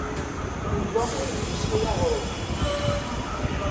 Yuba ur d-yesɣi aɣrum.